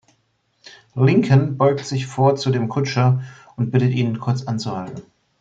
Lincoln beugt sich vor zu dem Kutscher und bittet ihn, kurz anzuhalten.